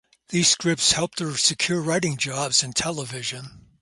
These scripts helped her secure writing jobs in television.